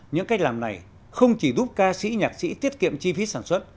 những cách làm này không chỉ giúp ca sĩ nhạc sĩ tiết kiệm chi phí sản xuất